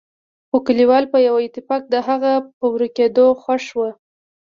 خو کليوال په يوه اتفاق د هغه په ورکېدو خوښ ول.